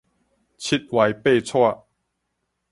七歪八斜